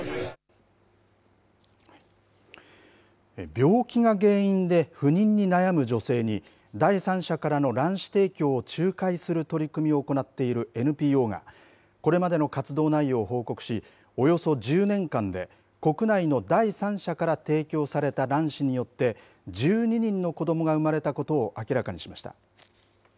病気が原因で不妊に悩む女性に、第三者からの卵子提供を仲介する取り組みを行っているＮＰＯが、これまでの活動内容を報告し、およそ１０年間で、国内の第三者から提供された卵子によって、１２人の子どもが生まれたことを明らかにしました。